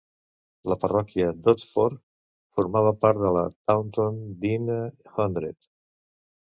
La parròquia d'Otterford formava part de la Taunton Deane Hundred.